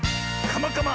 「カマカマ！